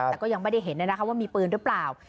แต่ก็ยังไม่ได้เห็นเลยน่ะครับว่ามีปืนหรือเปล่า